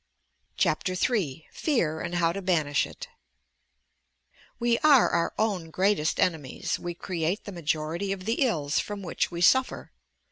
CHAPTER III FEAR AND HOW TO BANISH IT We are our own greatest enemies. We create the ma jority of the ills from which we suffer!